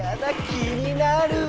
気になるぅ！